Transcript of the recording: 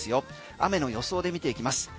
雨の予想で見ていきます。